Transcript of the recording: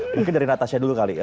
mungkin dari natasha dulu kali ya